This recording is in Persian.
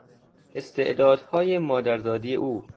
استعدادهای مادرزادی او